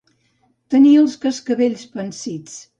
Tenir els cascavells pansits.